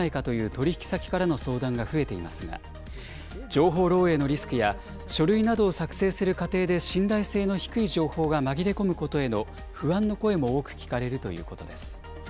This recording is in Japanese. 取り引き先からの相談が増えていますが、情報漏えいのリスクや書類などを作成する過程で信頼性の低い情報が紛れ込むことへの不安の声も多く聞かれるということです。